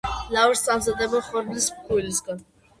ლავაშს ამზადებენ ხორბლის ფქვილისგან.